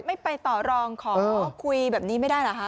ไม่ไปต่อรองขอคุยแบบนี้ไม่ได้เหรอคะ